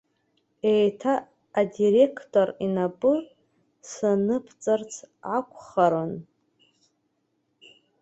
Еиҭа адиреқтор инапы саныбҵарц акәхарын?